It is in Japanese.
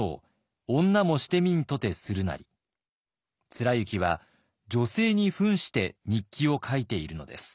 貫之は女性にふんして日記を書いているのです。